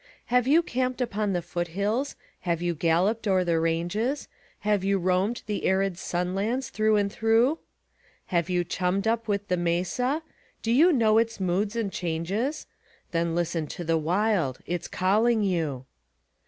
Have you camped upon the foothills, have you galloped o'er the ranges, Have you roamed the arid sun lands through and through? Have you chummed up with the mesa? Do you know its moods and changes? Then listen to the Wild it's calling you.